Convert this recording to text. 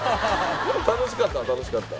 楽しかったは楽しかった。